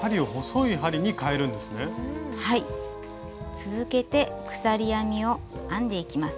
続けて鎖編みを編んでいきます。